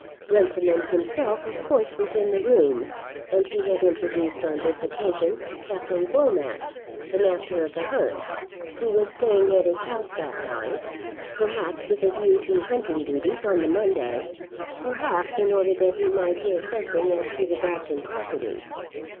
Runciman himself of course was in the room, and he had introduced on this occasion Captain Glomax, the master of the hunt, who was staying at his house that night, perhaps with a view to hunting duties on the Monday, perhaps in order that he might hear something as to the Bragton property.